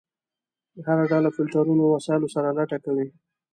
هر ډله فلټرونو وسایلو سره لټه کوي.